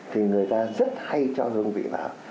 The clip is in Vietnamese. thì người ta rất hay cho hương vị vào